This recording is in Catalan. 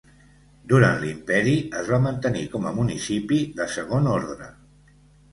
Durant l'imperi, es va mantenir com a municipi de segon ordre.